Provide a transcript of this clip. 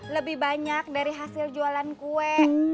lebih banyak dari hasil jualan kue